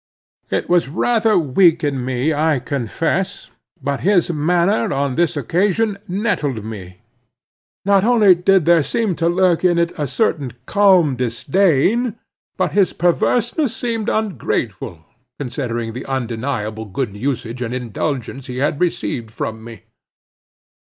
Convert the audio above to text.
It was rather weak in me I confess, but his manner on this occasion nettled me. Not only did there seem to lurk in it a certain calm disdain, but his perverseness seemed ungrateful, considering the undeniable good usage and indulgence he had received from me.